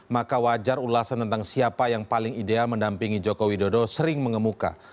maka wajar ulasan tentang siapa yang paling ideal mendampingi joko widodo sering mengemuka